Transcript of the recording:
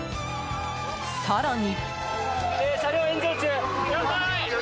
更に。